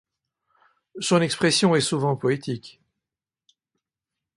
Son expression est souvent poétique.